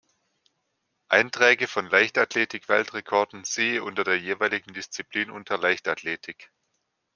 Einträge von Leichtathletik-Weltrekorden siehe unter der jeweiligen Disziplin unter Leichtathletik.